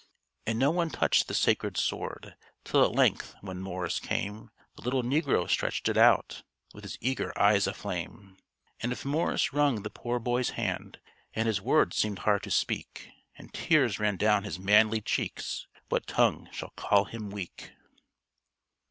And no one touched the sacred sword, Till at length, when Morris came, The little negro stretched it out, With his eager eyes aflame. And if Morris wrung the poor boy's hand, And his words seemed hard to speak, And tears ran down his manly cheeks, What tongue shall call him weak?